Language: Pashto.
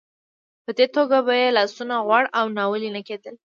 په دې توګه به یې لاسونه غوړ او ناولې نه کېدل.